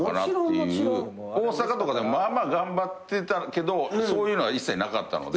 大阪とかでもまあまあ頑張ってたけどそういうのは一切なかったので。